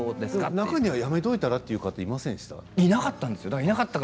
中にはやめておいたらという方いませんでしたか？